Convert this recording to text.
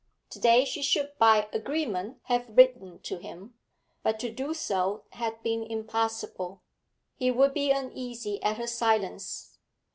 To day she should by agreement have written to him, but to do so had been impossible. He would be uneasy at her silence.